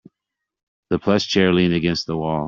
The plush chair leaned against the wall.